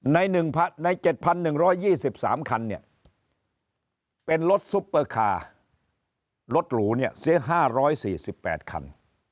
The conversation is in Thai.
ใน๗๑๒๓คันเป็นรถซุปเปอร์คาร์รถหรูเนี่ยเสีย๕๔๘คัน